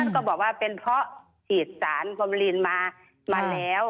ท่านก็บอกว่าเป็นเพราะถีดสารความลินมาแล้ว